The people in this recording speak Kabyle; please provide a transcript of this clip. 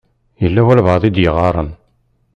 Yella walebɛaḍ i d-iɣaṛen.